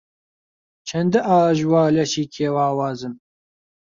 چەندە ئاژوا لەشی کێو ئاوازم